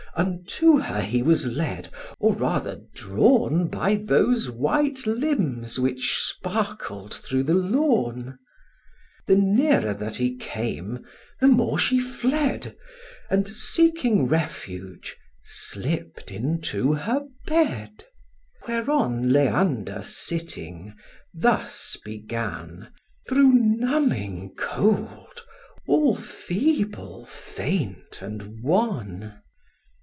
Unto her was he led, or rather drawn By those white limbs which sparkled through the lawn. The nearer that he came, the more she fled, And, seeking refuge, slipt into her bed; Whereon Leander sitting, thus began, Through numbing cold, all feeble, faint, and wan.